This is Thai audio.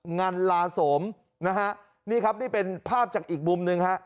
งันลาโสมนะฮะนี่ครับนี่เป็นภาพจากอีกมุมหนึ่งฮะ